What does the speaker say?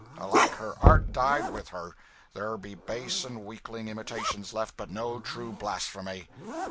Alack, her art died with her. There be base and weakling imitations left, but no true blasphemy."